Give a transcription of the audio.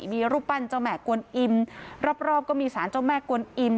มีรูปปั้นเจ้าแม่กวนอิมรอบก็มีสารเจ้าแม่กวนอิม